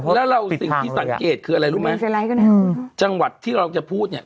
แล้วเราสิ่งที่สังเกตคืออะไรรู้ไหมจังหวัดที่เราจะพูดเนี่ย